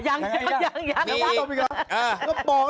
ยัง๒พันบ้าง